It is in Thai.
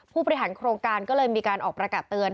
ผู้บริหารโครงการก็เลยมีการออกประกาศเตือน